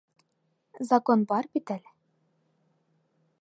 Закон бар бит әле.